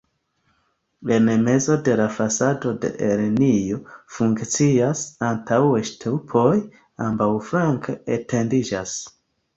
En mezo de la fasado la enirejo funkcias, antaŭe ŝtupoj ambaŭflanke etendiĝas.